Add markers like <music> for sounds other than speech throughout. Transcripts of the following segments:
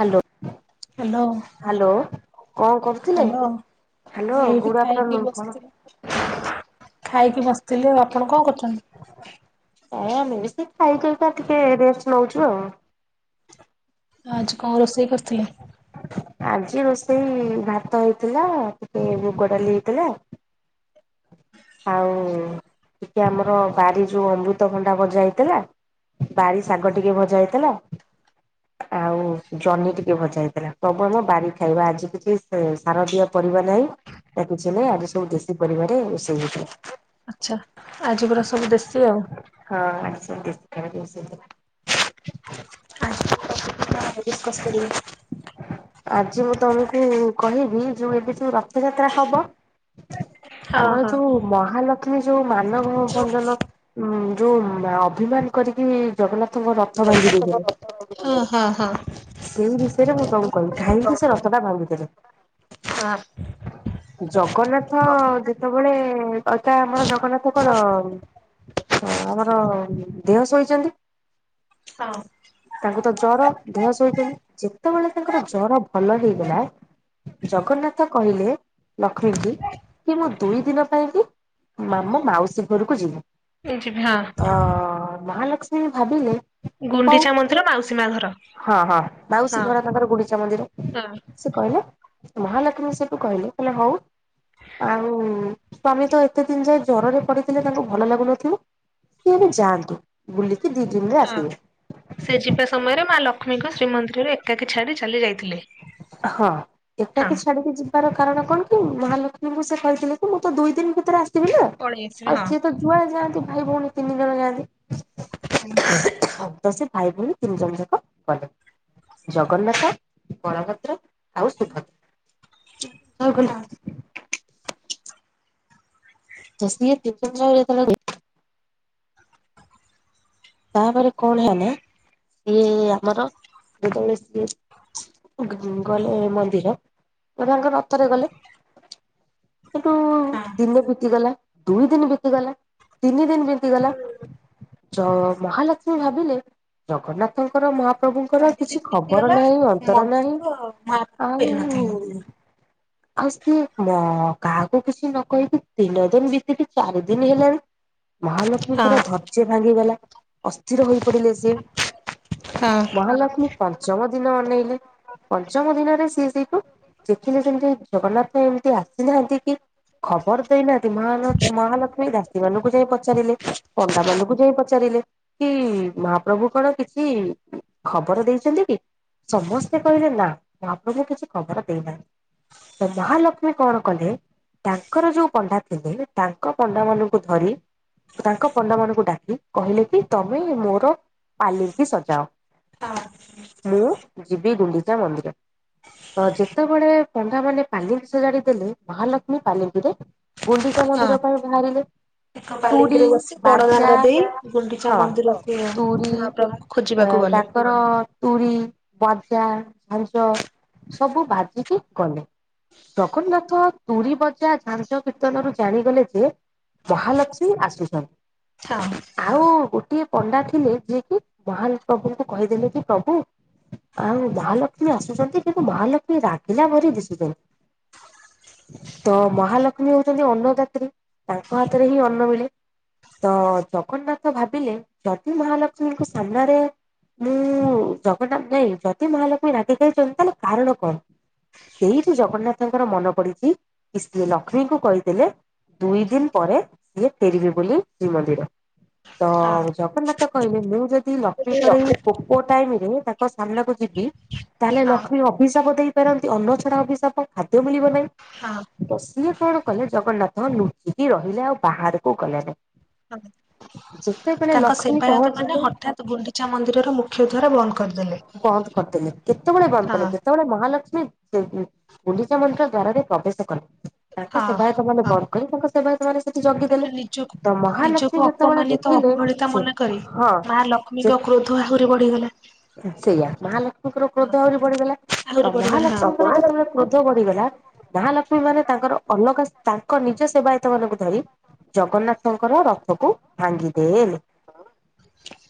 Hello hello hello କଣ କରୁଥିଲେ? Hello. ଏଇଠି ଗୁଡ ଖାଇକି ଆଫ୍ଟରନୁନ କଣ? ବସିଥିଲି ଖାଇକି ବସିଥିଲି ଆଉ ଆପଣ କଣ କରୁଛନ୍ତି? ହଁ ମୁଁ ବି ସେଇ ଖାଇକି ତ ଟିକେ ରେସ୍ଟ ନଉଛୁ ଆଉ। ଆଜି କଣ ରୋଷେଇ କରିଥିଲି? ଆଜି ରୋଷେଇ ଭାତ ହେଇଥିଲା ଟିକେ ମୁଗ ଡାଲି ହେଇଥିଲା। ଆଉ ଟିକେ ଆମର ବାରି ଯୋଉ ଅମୃତଭଣ୍ଡା ଭଜା ହେଇଥିଲା। ବାରି ଶାଗ ଟିକେ ଭଜା ହେଇଥିଲା। ଆଉ ଜହ୍ନି ଟିକେ ଭଜା ହେଇଥିଲା ସବୁ ଆମ ବାରି ଖାଇବା ଆଜି କିଛି ସାର ଦିଆ ପରିବା ନାହିଁ ନା କିଛି ନାହିଁ ଆଜି ସବୁ ଦେଶୀ ପରିବାରେ ରୋଷେଇ ହେଇ ଆଚ୍ଛା। ଆଜି ପୁରା ସବୁ ଦେଶୀ ଆଉ। ହଁ ଆଜି ସବୁ ଦେଶୀ ଖାଇବା ରୋଷେଇ ହେଇଥିଲା। ଡିସ୍କସ୍ କରିବେ। <inaudible> ଆଜି ମୁଁ ତମକୁ କହିବି ଯୋଉ ଏବେ ଯୋଉ ରଥଯାତ୍ରା ହବ। ହଁ ଆମର ହଁ ଯୋଉ ମହାଲକ୍ଷ୍ମୀ ଯୋଉ ମାନବ ବନ୍ଦନ ଉଁ ଯୋଉ ଅଭିମାନ କରିକି ଜଗନ୍ନାଥଙ୍କ ର ହୁଁ ହୁଁ ହୁଁ। ସେଇ ବିଷୟରେ ମୁଁ ତମକୁ କହିବି କାହିଁକି ସେ ରଥଟା ଭାଙ୍ଗିଦେଲେ? ହଁ <inaudible> ଜଗନ୍ନାଥ ଯେତେବେଳେ ଅଥା ଆମର ଜଗନ୍ନାଥ କଣ? ହଁ ଆମର ଦେଅଁ ଶୋଇଛନ୍ତି। ହଁ। ତାଙ୍କୁ ତ ଜର। ଦିଅଁ ସୋଇଛନ୍ତି ଯେତେବେଳେ ତାଙ୍କର ଜର ଭଲ ହେଇଗଲା। ଜଗନ୍ନାଥ କହିଲେ ଲକ୍ଷ୍ମୀ କି କି ମୁଁ ଦୁଇ ଦିନ ପାଇଁ କି ମାମ ମାଉସୀ ଘରକୁ ଯିବୁ ଏ ଯିବି ହଁ ତ ମହାଲକ୍ଷ୍ମୀ ଭାବିଲେ ହଉ ଗୁଣ୍ଡିଚା ମନ୍ଦିର ମାଉସୀ ମା ଘର। ହଁ ହଁ ମାଉଶୀ ହଁ ଘର ତାଙ୍କର ଗୁଣ୍ଡିଚା ମନ୍ଦିର। ହଁ ସେ କହିଲେ ମହାଲକ୍ଷ୍ମୀ ସେଠୁ କହିଲେ କହିଲେ ହଉ ଆଉ ସ୍ଵାମୀ ତ ଏତେ ଦିନ ଯାଏ ଜରରେ ପଡିଥିଲେ ତାଙ୍କୁ ଭଲ ଲାଗୁନଥିଲା ସିଏ ଏବେ ଯାଆନ୍ତୁ ବୁଲିକି ଦିଇ ଦିନରେ ହଁ। ଆସିବେ। ସେ ଯିବା ସମୟରେ ମା ଲକ୍ଷ୍ମୀଙ୍କୁ ଶ୍ରୀମନ୍ଦିରରେ ଏକାକୀ ଛାଡ଼ି ଚାଲି ଯାଇଥିଲେ। ହଁ ହଁ। ଏକକି ଚଡ଼ିକି ଜି ତାର କାରଣ କଣ କି ମହାଲକ୍ଷ୍ମୀଙ୍କୁ ସେ କହିଥିଲେ ତ ମୁଁ ତ ଦୁଇ ଦିନ ଭିତରେ ଆସିବି ନା ପଳେଇ ଆସିବି ଆଉ ହଁ ସିଏ ତ ଛୁଆ ଯାଆନ୍ତି ଭାଇ ଭଉଣୀ ତିନି ଜଣ ଯାଆନ୍ତି ହୁଁ ତସେ ଭାଇ ଭଉଣୀ ତିନି ଜଣ ଯାକ ଗଲେ ଜଗନ୍ନାଥ ବଳ ଭ ଆଉ ଶୁଭ <unintelligible> <unintelligible> ତାପରେ କଣ ହେଲା ସିଏ ଆମର ଯେତେବେଳେ ସିଏ ଗଲେ ମନ୍ଦିର ଏରାଙ୍କ ରତରେ ଗଲେ। ସେଠୁ ହଁ ଦିନ ବିତିଗଲା ଦୁଇ ଦିନ ବିତିଗଲା ତିନି ଦିନ ବିତି ଗଲା ଚ ମହାଲକ୍ଷ୍ମୀ ଭାବିଲେ ଜଗନ୍ନାଥଙ୍କର ମହା ପ୍ରଭୁଙ୍କର ଚାରି ଦିନ କିଛି ଖବର ବିତିଗଲା ନାହିଁ ଅନ୍ତର ମଧ୍ୟ ନାହିଁ ମହାପ୍ରଭୁ ଫେରି ଆଉ ନଥିଲେ। ଆଉ ସିଏ ମ କାହାକୁ କିଛି ନ କହକି ତିନୋ ଦିନ ବିତିକି ଚାରି ଦିନ ହେଲାଣି ହଁ ମହାଲକ୍ଷ୍ମୀଙ୍କର ଧୈର୍ଯ୍ୟ ଭାଙ୍ଗିଗଲା ଅସ୍ଥିର ହୋଇ ପଡିଲେ ସିଏ। ହଁ। ମହାଲକ୍ଷ୍ମୀ ପଞ୍ଚମ ଦିନ ଅନେଇଲେ ପଞ୍ଚମ ଦିନରେ ସିଏ ସେଇଠୁ ଦେଖିଲେ ଯେମିତି ଜଗନ୍ନାଥ ଏମତି ଆସିନାହାନ୍ତି କି ଖବର ଦେଇନାହାନ୍ତି ମହାଲ ମହାଲକ୍ଷ୍ମୀ ଦାଶୀ ମାନଙ୍କୁ ଯାଇ ପଚାରିଲେ। ପଣ୍ଡାମାନଙ୍କୁ ଯାଇ ପଚାରିଲେ କି ମହାପ୍ରଭୁ କଣ କିଛି ଖବର ଦେଇଚନ୍ତି କି? ସମସ୍ତେ କହିଲେ ନା ମହାପ୍ରଭୁ କିଛି ଖବର ଦେଇନା ତ ମହାଲକ୍ଷ୍ମୀ କଣ କଲେ ତାଙ୍କର ଯୋଉ ପଣ୍ଡା ଥିଲେ ତାଙ୍କ ପଣ୍ଡା ମାନଙ୍କୁ ଧରି ତାଙ୍କ ପଣ୍ଡାମାନନଙ୍କୁ ଡାକି କହିଲେ କି ତମେ ମୋର ପାଲିଙ୍କି ସଜାଅ ହଁ। ମୁଁ ଯିବି ଗୁଣ୍ଡିଚା ମନ୍ଦିର। ତ ଯେତେବେଳେ ପଣ୍ଡା ମାନେ ପାଲିଙ୍କି ସଜାଡି ଦେଲେ ମହାଲକ୍ଷ୍ମୀ ପାଲିଙ୍କିରେ ଗୁଣ୍ଡିଚା ହଁ ମନ୍ଦିର ପାଇଁ ବାହାରିଲେ ଏକ ତୁରୀ ପାଲିଙ୍କିରେ ବସି ବଡ ବାଜା ଦାଣ୍ଡ ଦେଇ ଗୁଣ୍ଡିଚା ହଁ ମନ୍ଦିରକୁ ମହାପ୍ରଭୁଙ୍କୁ ଖୋଜିବାକୁ ଗଲେ। ତର ତୁରି ବାଜା ଝାଞ୍ଜ ସବୁ ଭାଜିକି ଗଲେ। ଜଗନ୍ନାଥ ତୁୁରୀ ବଜା ଝାଞଜ କୀର୍ତ୍ତନରୁ ଜାଣିଗଲେ ଯେ ମହାଲକ୍ଷ୍ମୀ ଆସୁଛନ୍ ଥା ଆଉ ଗୋଟିଏ ପଣ୍ଡା ଥିଲେ ଯିଏକ ମହାପ୍ରଭୁଙ୍କୁ କହିଦେଲେ କି ପ୍ରଭୁ ଆଉ ମହାଲକ୍ଷ୍ମୀ ଆସୁଛନ୍ତି କିନ୍ତୁ ମହାଲକ୍ଷ୍ମୀ ରାଗିଲା ଭରି ଦିଶୁଚନ୍ ତ ମହାଲକ୍ଷ୍ମୀ ହଉଛନ୍ତି ଅନ୍ନ ଯାତ୍ରୀ ତାଙ୍କ ହାତରେ ହିଁ ଅନ୍ନ ମିଳେ। ତ ଜଗନ୍ନାଥ ଭାବିଲେ ଯଦି ମହାଲକ୍ଷ୍ମୀଙ୍କ ସାମ୍ନାରେ ମୁଁ ଜଗନ୍ନାଥ ନାଇଁ ଯଦି ମହାଲକ୍ଷ୍ମୀ ରାଗି ଯାଇଛନ୍ତି ତାହେଲେ କାରଣ କଣ? ସେଇଠି ଜଗନ୍ନାଥଙ୍କର ମନ ପଡିଛି କି ସିଏ ଲକ୍ଷ୍ମୀଙ୍କୁ କହିଥିଲେ ଦୁଇ ଦିନ ପରେ ସିଏ ଫେରିବେ ବୋଲି ଶ୍ରୀମନ୍ଦିର। ତ ହଁ ଜଗନ୍ନାଥ କହିଲି ମୁଁ ଯଦି ଲକ୍ଷ୍ମୀ ହଁ କରେଇ କୋପ ଟାଇମ୍ ରେ ତାଙ୍କ ସାମ୍ନାକୁ ଯିବି ତାହେଲେ ଲକ୍ଷ୍ମୀ ହିଶାପ ଦେଇପାରନ୍ତି ଅନ୍ନ ଛଡା ଅଭିିଶାପ ଖାଦ୍ୟ ମିଳିବ ନାହିଁ। ହଁ। ତ ସିଏ କଣ କଲେ ଜଗନ୍ନାଥ ଲୁଚିକି ରହିଲେ ଆଉ ବାହାରକୁ ଗଲୋନି। କଣ ପାଇଁ। ତାଙ୍କ ଲକ୍ଷ୍ମୀ ପହଞ୍ଚିଲେ ସେବାୟତମାନେ ହଠାତ୍ ଗୁଣ୍ଡିଚା ମନ୍ଦିରର ମୁଖ୍ୟ ଦ୍ୱାର ବନ୍ଦ କରିଦେଲେ। ବନ୍ଦ କରିଦେଲେ କେତେବେଳେ ବନ୍ଦ କଲେ ହଁ ଯେତେବେଳେ ମହାଲକ୍ଷ୍ମୀ ଗୁଣ୍ଡିଚା ମନ୍ଦିର ଦ୍ଵାରରେ ପ୍ରବେଶ କଲେ। ତାଙ୍କ ହଁ ସେବାୟତମନେ ହଁ କଣ କଲେ ତାଙ୍କ ସେବାୟ ସେ ସେଠି ଜଗିଦେଲେ ତାପରେ ତ ମହାଲକ୍ଷ୍ମୀ ଯେତେବେଳେ ଦେଖି ଭଳିତା ମନାେ କରି ମା ଯେ ଲକ୍ଷ୍ମୀଙ୍କ କ୍ରୋଧ ଆହୁରି ବଢିଗଲା। ସେଇଆ ମହାଲକ୍ଷ୍ମୀଙ୍କର ହଁ କ୍ରୋଧ ଆହୁରି ବଢିଗଲା ତ ଆହୁରି ବଢିଗଲା ହଁ ମହାଲକ୍ଷ୍ମୀଙ୍କର ଯେତେବେଳେ କ୍ରୋଧ ବଢିଗଲା ମହାଲକ୍ଷ୍ମୀ ମାନେ ତାଙ୍କର ଅଲଗା ତାଙ୍କ ନିଜ ସେବାୟତମାନଙ୍କୁ ଧରି ଜଗନ୍ନାଥଙ୍କର ରଥକୁ ଭାଙ୍ଗିଦେଲେ।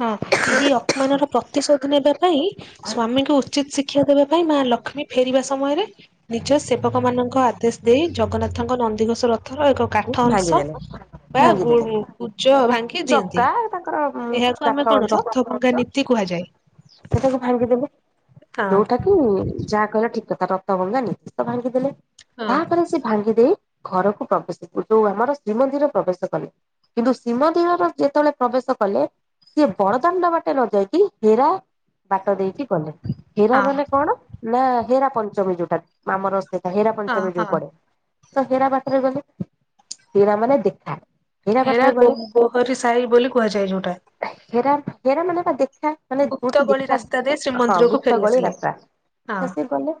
ହଁ ଏହି ଅପମାନର ପ୍ରତିଶୋଧ ନେବା ପାଇଁ ସ୍ଵାମୀଙ୍କୁ ଉଚିତ ଶିକ୍ଷା ଦେବା ପାଇଁ ମା ଲକ୍ଷ୍ମୀ ଫେରିବା ସମୟରେ ନିଜ ସେବକମାନଙ୍କ ଆଦେଶ ଦେଇ ଜଗନ୍ନାଥଙ୍କ ନନ୍ଦିଘୋଷ ରଥ ଥର ଏକ କାଠ ଅଂଶ ଭାଙ୍ଗିଦେଲେ ବା ଗ ଭାଙ୍ଗିଦେଲେ କୁଜ ଭାଙ୍ଗି ଚକା ଦିଅନ୍ତି। ତାଙ୍କର ଏହାକୁ କାଠ ଆମେ କଣ ରଥ ଭଙ୍ଗା ନୀତି କୁହାଯାଏ। ସେ ତାକୁ ଭାଙ୍ଗିଦେବେ ଯୋଉଟା ହଁ। କି ଯାହା କହିଲା ଠିକ୍ କଥା ରଥ ଗଙ୍ଗା ନିତି ତ ଭାଙ୍ଗିଦେଲେ ହଁ ତାହା ପରେ ସେ ଭାଙ୍ଗିଦେଇ ଘରକୁ ପ୍ରବେଶ ଯୋଉ ଆମର ଶ୍ରୀମନ୍ଦିର ପ୍ରବେଶ କଲେ। କିନ୍ତୁ ଶୀମଦିର ଯେତେବେଳେ ପ୍ରବେଶ କଲେ। ସିଏ ବଡଦାଣ୍ଡ ବାଟେ ନ ଯାଇକ ହେରା ବାଟ ଦେଇକି କଲେ ହୀରା ହଁ ମାନେ କଣ ନା ହେରା ପଞ୍ଚମୀ ଯୋଉଟା ଆମର ସେଟା ହେରା ହଁ ପଞ୍ଚମୀ ଯୋଉ ହଁ ପଡେ ତ ହୀରା ପାଖରେ ଗଲେ ହୀରା ମାନେ ଦେଖାଏ। ହେରାହରି ସାହି ବୋଲି କୁହାଯାଏ ଯୋଉଟା ରା ହେରା ମାନେ ବା ଦେଖା ମାନେ ଗୁପ୍ତ ଗୋଟେ ଗଳି ଦେଖା ରାସ୍ତା ଦେଇ ହଁ ଶ୍ରୀମନ୍ଦିରକୁ ଗୁପ୍ତ ଫେରି ଗଳି ଆସିଲେ ରାସ୍ତା। ହଁ ଗଲେ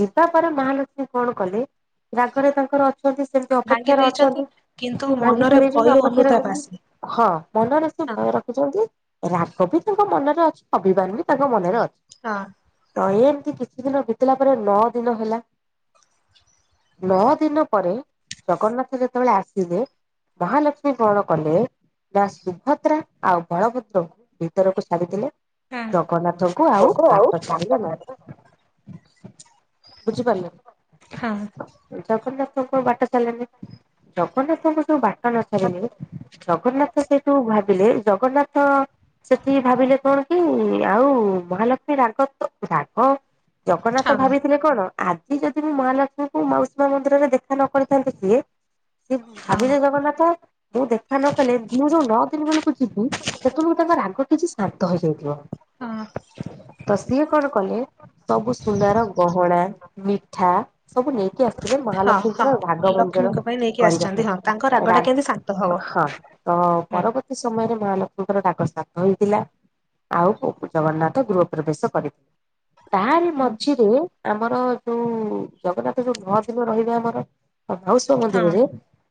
ଯିବା ପରେ ମହାଲକ୍ଷ୍ମୀ କଣ କଲେ ରାଗରେ ତାଙ୍କର ସେମିତି ଭାଙ୍ଗି ଅପେକ୍ଷାରେ ଦେଇଛନ୍ତି। ଅଛନ୍ତି। କିନ୍ତୁ ଭାଙ୍ଗି ମନରେ ଦେଇଛନ୍ତି ଭୟ ଅପେକ୍ଷାରେ ଅନୁତାପ ଅଛନ୍ତି। ଆସେ ହଁ ମନରେ ସେ ହଁ ଭୟ ର କହୁଛନ୍ତି ରାଗ ବି ତାଙ୍କ ମନରେ ଅଛି ଅବିବମାନ ବି ତାଙ୍କ ମନରେ ଅଛି। ହଁ। ତ ଏ ଏମତି କିଛି ଦିନ ବିତିଲା ପରେ ନଅ ଦିନ ହେଲା। ନଅ ଦିନ ପରେ ଜଗନ୍ନାଥ ଯେତେବେଳେ ଆସିଲେ। ମହାଲକ୍ଷ୍ମୀ କଣ କଲେ? ମା ସୁଭଦ୍ରା ଆଉ ବଳଭଦ୍ରଙ୍କୁ ଭିତରକୁ ଛାଡି ଦେଲେ। ହଁ ଜଗନ୍ନାଥଙ୍କୁ ଆଉ ବାଟ ଛାଡିଲେ ନାହିଁ। ହଁ ବୁଝିପାରିଲନି ଜଗନ୍ନାଥ ଙ୍କୁ ବାଟ ଛାଡିଲେନି। ଜଗନ୍ନାଥଙ୍କୁ ଯୋଉ ବାଟ ନ ଛାଡିଲେନି। ଜଗନ୍ନାଥ ସେଇଠୁ ଭାବିଲେ ଜଗନ୍ନାଥ ସେଠି ଭାବିଲେ କଣ କି ଆଉ ମହାଲକ୍ଷ୍ମୀ ରାଗ ତ ରାଗ ଜଗନ୍ନାଥ ହଁ ଭାବିଥିଲେ କଣ ଆଜି ଯଦି ମୁଁ ମହାଲକ୍ଷ୍ମୀଙ୍କୁ ମାଉସୀମା ମନ୍ଦିରରେ ଦେଖା ନ କରିଥାନ୍ତି ସିଏ। ସେ ହଁ ଭାବିଲେ ଜଗନ୍ନାଥ ମୁଁ ଦେଖା ନ କଲେ ମୁଁ ଯୋଉ ନଅ ଦିନ ବେଳକୁ ଯିବି। ସେତେବେଳେ ତାଙ୍କର ରାଗ କିଛି ଶାନ୍ତ ହେଇଯାଇଥିବ। ହଁ। ତ ସିଏ କଣ କଲେ? ସବୁ ସୁନାର ଗହଣା ମିଠା ସବୁ ନେଇକି ଆସିଥିଲେ। ହଁ ମହାଲକ୍ଷ୍ମୀଙ୍କର ହଁ ରାଗ ମଞ୍ଜଳ ଲକ୍ଷ୍ମୀଙ୍କ ପାଇଁ ନେଇକି କରିବା ଆସିଛନ୍ତି ହଁ ତାଙ୍କ ପାଇଁ ରା ରାଗଟା କେମିତି ଶାନ୍ତ ହବ। ହଁ। ତ ହୁଁ ପରବର୍ତ୍ତୀ ସମୟରେ ମାହା ଲକ୍ଷ୍ମୀଙ୍କର ରାଗ ଶାନ୍ତ ହେଇଥିଲା। ଆଉ ଜଗନ୍ନାଥ ଗୃହ ପ୍ରବେଶ କରିଥିଲେ। ତାଆରି ମଝିରେ ଆମର ଯୋଉ ଜଗନ୍ନାଥ ଯୋଉ ନଅ ଦିନ ରହିବେ ଆମର ଭଉସଵ ହଁ ମନ୍ଦିରରେ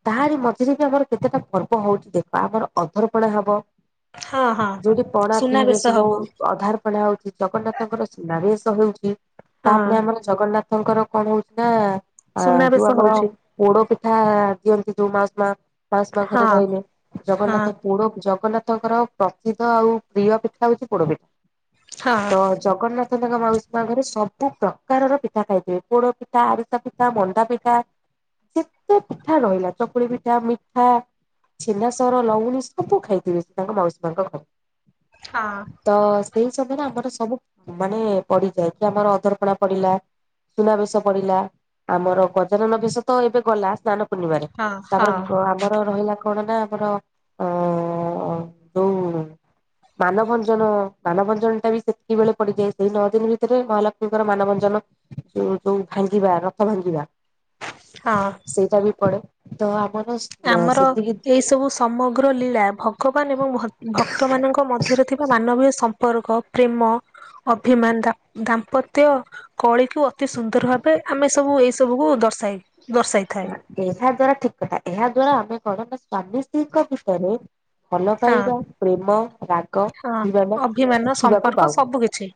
ତାହାରି ମଝିରେ ବି ଆମର କେତେଟା ପର୍ବ ହଉଛି ଦେଖ ଆମର ଅଧର୍ପଣା ହବ ହଁ ହଁ ଯୋଉଠି ପଣା ପିଇବେ ସୁନାବେଶ ସବୁ ହବ। ଅଧାର ପଣା ହଉଛି ଜଗନ୍ନାଥଙ୍କର ସୁନାବେଶ ହଉଛି ତାପ ହଁ ଆମର ଜଗନ୍ନାଥ ତାଙ୍କର କଣ ହଉଛି ନା ଅ ଯୋଉ ସୁନାବେଶ ଆମର ହଉଛି ପୋଡ ପିଠା ଦିଅନ୍ତି ଯୋଉ ମାସ ମା ମାସ ମା ଘରେ ହଁ ରହିଲେ ହଁ ଜଗନ୍ନାଥ ପୋଡ ଜଗନ୍ନାଥଙ୍କର ପ୍ରସିଦ୍ଧ ଆଉ ପ୍ରିୟ ପିଠା ହଉଛି ପୋଡ ପିଠା। ହଁ ତ ଜଗନ୍ନାଥଙ୍କ ମାଉସୀ ମା ଘରେ ସବୁ ପ୍ରକାରର ପିଠା ଖାଇଥଏ ପୋଡ ପିଠା ଆ ପିଠା ମଣ୍ଡା ପିଠା ଯେତେ ପିଠା ରହିଲା ଚକୁଳି ପିଠା ମିଠା। ଛେନାସର ଲଉଣୀ ସବୁ ଖାଇଥିବେ ସେ ତାଙ୍କ ମାଉସୀ ମାଙ୍କ ଘରେ। ହଁ। ତ ସେଇ ସମୟରେ ଆମର ସବୁ ମାନେ ପଡିଯାଏ କି ଆମର ଅଧର୍ପଣା ପଡିଲା ସୁନା ବେଶ ପଡିଲା ଆମର ଗଜାନନ ବେଶ ତ ଏବେ ଗଲା ସ୍ନାନ ପୂର୍ଣିମାରେ। ହଁ ହଁ ତାପରେ ଆମର ରହିଲା କଣ ନା ଆମର ଅ ଯୋଉ ମାନଭଞ୍ଜନ ମାନଭଞ୍ଜନ ଟା ବି ସେତିକି ବେଳେ ପଡିଯାଏ। ସେଇ ନଅ ଦିନ ଭିତରେ ମହାଲକ୍ଷ୍ମୀଙ୍କର ମାନଭଞ୍ଜନ ଯୋଉ ଭାଙ୍ଗିବା ରଥ ଭାଙ୍ଗିବା ହଁ ସେଇଟା ବି ପଡେ। ତ ଆମର ଆମର ସେତିକି ଏଇ ସବୁ ସମଗ୍ର ଲୀଳା ଭଗବାନ ଏବଂ ଭକ୍ତମାନାନଙ୍କ ମଧ୍ୟରେ ଥିବା ମାନବୀୟ ସମ୍ପର୍କ ପ୍ରେମ ଅଭିମାନ ଦ ଦାମ୍ପତ୍ୟ କଳିକୁ ଅତି ସୁନ୍ଦର ଭାବେ ଆମେ ସବୁ ଏଇ ସବୁକୁୁ ଦର୍ଶାଇ ଦର୍ଶାଇଥାଏ। ଏହା ଦ୍ଵାରା ଠିକ କଥା ଏହା ଦ୍ଵାରା ଆମେ କଣ ନା ସ୍ଵାମୀ ସ୍ତ୍ରୀଙ୍କ ଭିତରେ ଭଲ ହଁ ପାଇବା ପ୍ରେମ ରା ହଁ ଅଭି ମମେ ଅଭିମାନ ଶିଖିବାକୁ ସମ୍ପର୍କ ପାଉନ। ସବୁ କିଛି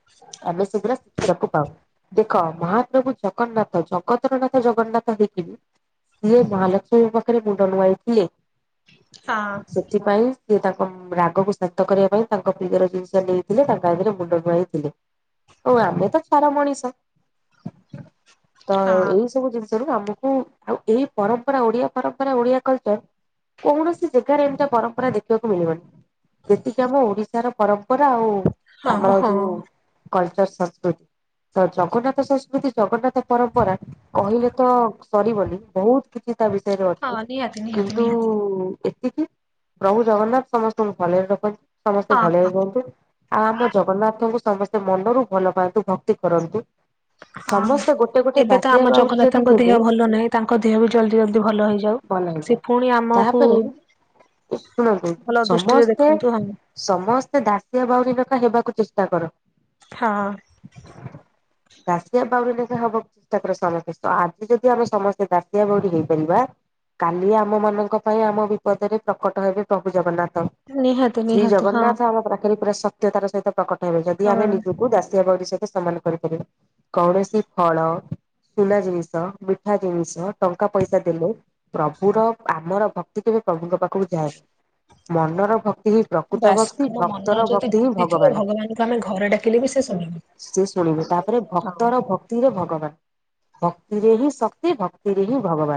ଆମେ ସେଗଡା ଶିଖିବାକୁ ପାଉ। ଦେଖ ମହାପ୍ରଭୁ ଜଗନ୍ନାଥ ଜଗତର ନାଥ ଜଗନ୍ନାଥ ଦେଖିକିବି। ସିଏ ମହାଲକ୍ଷ୍ମୀଙ୍କ ପାଖରେ ମୁଣ୍ଡ ନୁଆଇ ଥିଲେ। ହଁ ସେଥିପାଇଁ ସେ ତାଙ୍କ ରାଗକୁ ଶାନ୍ତ କରିବା ପାଇଁ ତାଙ୍କ ପ୍ରିୟର ଜିନିଷ ନେଇଥିଲେ ତାଙ୍କ ଆରେ ମୁଣ୍ଡ ନୁଆଇଥିଲେ। ଓଉ ଆମ ତ ସାରା ମଣିଷ। ତ ହଁ ଏଇ ସବୁ ଜିନିଷରୁ ଆମକୁ ଆଉ ଏଇ ପରମ୍ପରା ଓଡିଆ ପରମ୍ପରା ଓଡିଆ କଲଚର କୌଣସି ଜାଗାରେ ଏମିତି ପରମ୍ପରା ଦେଖିବାକୁ ମିଳିବନି। ଯେତିକି ଆମ ଓଡିଶାର ପରମ୍ପରା ଆଉ ହଁ ଆମର ହଁ ଯୋଉ କଲଚାର ସଂସ୍କୃତି ତ ଜଗନ୍ନାଥ ସଂସ୍କୃତି ଜଗନ୍ନାଥ ପରମ୍ପରା କହିଲେ ତ ସରିବନି। ବହୁତ କିଛି ତା ବିଷୟରେ ହଁ ଅଛି। ନିହାତି ନିହାତି କିନ୍ତୁ ନିହାତି ଏତିକି ପ୍ରଭୁ ଜଗନ୍ନାଥ ସମସ୍ତଙ୍କୁ ଭଲରେ ରଖନ୍ତି। ସମସ୍ତେ ହଁ ଭଲରେ ହଁ ରୁହନ୍ତୁ। ଆଉ ଆମ ଜଗନ୍ନାଥଙ୍କୁ ସମସ୍ତେ ମନରୁ ଭଲ ପାଆନ୍ତୁ ଭକ୍ତି କରନ୍ତୁ। ହଁ ସମସ୍ତେ ଗୋଟେ ଗୋଟେ ଏବେ ତ ଦାସିଆ ଆମ ବାଉରି ଯଦି ଜଗନ୍ନାଥଙ୍କ ଦେବେ ଦେହ ଭଲ ନାହିଁ। ତାଙ୍କ ଦେହ ବି ଜଲଦି ଜଲଦି ଭଲ ହେଇଯାଉ ଭଲ ହେଇଯାନ୍ତା। ସେ ପୁଣି ଆମକୁ ତାପରେ ଶୁଣନ୍ତୁ ଭଲ ଦୃଷ୍ଟିରେ ସମସ୍ତେ ଦେଖନ୍ତୁ ହଁ ସମସ୍ତେ ଦାସିଆ ବାଉରି କଥା ହେବାକୁ ଚେଷ୍ଟା କର। ହଁ। ଦାସିଆ ବାଉରୀ ଲେଖେ ହବା କୁ ଚେଷ୍ଟା କର ସମସ୍ତେ। ଆଜି ଯଦି ଆମେ ସମସ୍ତେ ଦସିଆ ବଉରୀ ହେଇପାରିବା। କାଲି ଆମ ମାନଙ୍କ ପାଇଁ ଆମ ବିପଦରେ ପ୍ରକଟ ହେବେ ପ୍ରଭୁ ଜଗନ୍ନାଥ। ନିହାତି। ଶ୍ରୀ ନିହାତି ହଁ ଜଗନ୍ନାଥ ଆମ ପାଖରେ ପୁରା ସତ୍ୟତାର ସହିତ ପ୍ରକଟ ହେବେ ଯଦି ଆମେ ହଁ। ନିଜକୁ ଦାସିଆ ବାଉରୀ ସହିତ ସେମାନ କୌଣସି ଫଳ ତୁଲା ଜିନିଷ ପିଠା ଜିନିଷ ଟଙ୍କା ପଇସା ଦେଲୁ ପ୍ରଭୁର ଆମର ଭକ୍ତି କେବେ ପ୍ରଭୁଙ୍କ ପାଖକୁ ଯାଏନି ମନର ଭକ୍ତି ହି ବାସ ଆମ ମନର ଯଦି ଭୁକ୍ତି ଥିବ ଭଗବାନ। ଭଗବାନଙ୍କୁ ଆମେ ଘରେ ଡାକିଲେ ବି ସେ ଶୁଣିବୁ। ସେ ଶୁଣିବେ ତାପରେ ଭକ୍ତର ଭ ଭତିରେ ଭଗବାନ ଭକ୍ତିରେ ହିଁ ଶକ୍ତି ଭକ୍ତିରେ ହିଁ ଭଗବାନ।